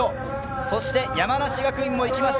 そして山梨学院も行きました。